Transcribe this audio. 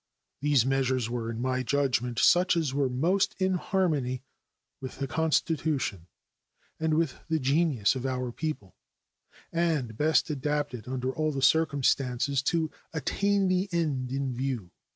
These measures were, in my judgment, such as were most in harmony with the Constitution and with the genius of our people, and best adapted, under all the circumstances, to attain the end in view.